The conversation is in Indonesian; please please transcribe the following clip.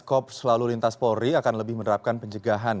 kop selalu lintas polri akan lebih menerapkan penjegahan